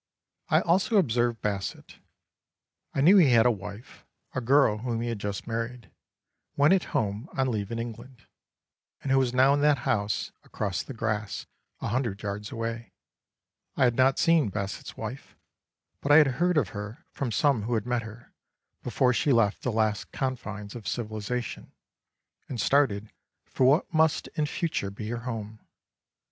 I also observed Basset. I knew he had a wife, a girl whom he had just married, when at home on leave in England, and who was now in that house, across the grass, a hundred yards away. I had not seen Basset's wife, but I had heard of her from some who had met her, before she left the last confines of civilisation and started for what must in future be her home.